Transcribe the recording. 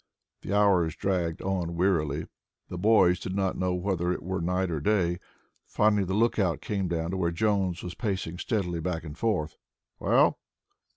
The hours dragged on wearily. The boys did not know whether it were night or day. Finally the lookout came down to where Jones was pacing steadily back and forth. "Well?"